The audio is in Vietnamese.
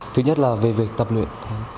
thứ nhất là về việc tập luyện